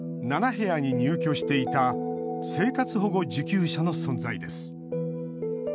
部屋に入居していた生活保護受給者の存在です。